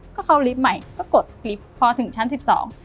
ก็เขาลิฟต์ใหม่ก็กดลิฟต์พอถึงชั้น๑๒